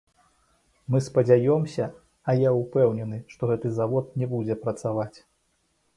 Мы спадзяёмся, а я ўпэўнены, што гэты завод не будзе працаваць.